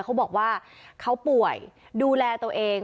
เขาบอกว่าเขาป่วยดูแลตัวเอง